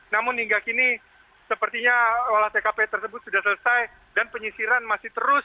namun hingga kini sepertinya olah tkp tersebut sudah selesai dan penyisiran masih terus